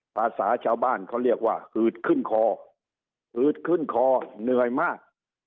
ภาษาชาวบ้านเขาเรียกว่าอืดขึ้นคอหืดขึ้นคอเหนื่อยมาก